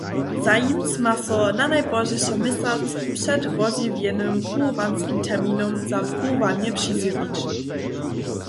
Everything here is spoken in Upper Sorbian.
Zajimc ma so nanajpozdźišo měsac před wozjewjenym pruwowanskim terminom za pruwowanje přizjewić.